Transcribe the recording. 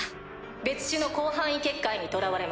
別種の広範囲結界にとらわれました。